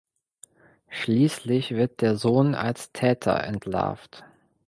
Schließlich wird der Sohn als Täter entlarvt.